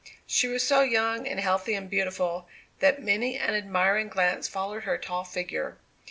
She was so young and healthy and beautiful that many an admiring glance followed her tall figure.